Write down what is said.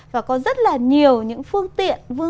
và có rất là nhiều những phương tiện